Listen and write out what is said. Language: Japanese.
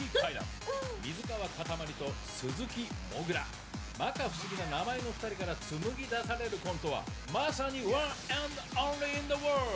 「水川かたまりと鈴木もぐらまか不思議な名前の２人から紡ぎ出されるコントはまさにワンアンドオンリーインザワールド。